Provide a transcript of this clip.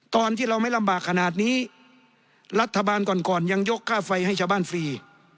ตอนที่เราไม่ลำบากขนาดนี้รัฐบาลก่อนก่อนยังยกค่าไฟให้ชาวบ้านฟรี